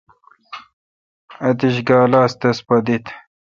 اتییش گال آس تس پہ دت۔